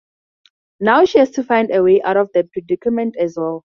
Now she has to find a way out of that predicament as well.